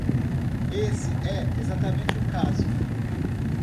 Esse é exatamente o caso.